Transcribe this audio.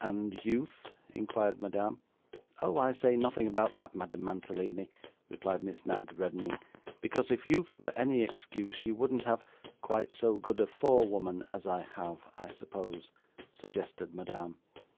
'And youth?' inquired Madame. 'Oh, I say nothing about that, Madame Mantalini,' replied Miss Knag, reddening; 'because if youth were any excuse, you wouldn't have ' 'Quite so good a forewoman as I have, I suppose,' suggested Madame.